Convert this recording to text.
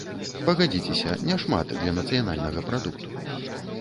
Пагадзіцеся, няшмат для нацыянальнага прадукту.